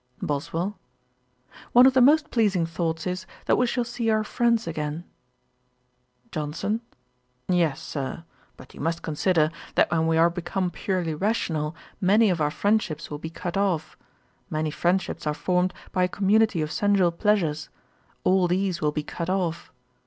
BOSWELL. 'One of the most pleasing thoughts is, that we shall see our friends again.' JOHNSON. 'Yes, Sir; but you must consider, that when we are become purely rational, many of our friendships will be cut off. Many friendships are formed by a community of sensual pleasures: all these will be cut off.